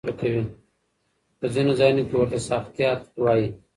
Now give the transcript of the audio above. په ځينو ځايونو کې ورته ساختيات وايي.